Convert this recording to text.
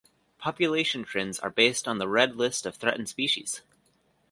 Population trends are based on the Red List of Threatened Species.